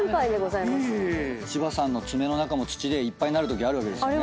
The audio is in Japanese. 柴さんの爪の中も土でいっぱいになるときあるわけですね。